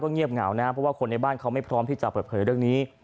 เงียบเหงานะเพราะว่าคนในบ้านเขาไม่พร้อมที่จะเปิดเผยเรื่องนี้